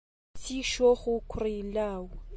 کچی شۆخ و کوڕی لاو